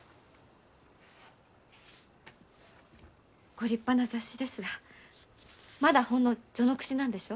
ご立派な雑誌ですがまだほんの序の口なんでしょ？